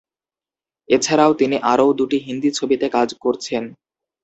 এছাড়া তিনি আরও দুটি হিন্দি ছবিতে কাজ করছেন।